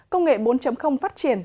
công nghệ bốn phát triển